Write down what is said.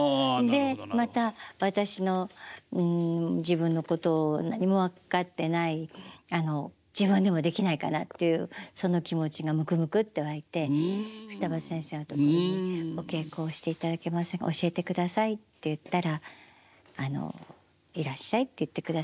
でまた私の自分のことを何も分かってない自分でもできないかなっていうその気持ちがむくむくっと湧いて二葉先生のところにお稽古をしていただけませんか教えてくださいって言ったらいらっしゃいって言ってくださって。